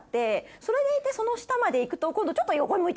それでいてその下まで行くと今度ちょっと。